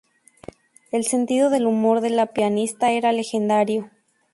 El sentido del humor de la pianista era legendario.